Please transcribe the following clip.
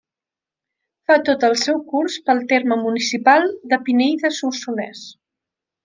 Fa tot el seu curs pel terme municipal de Pinell de Solsonès.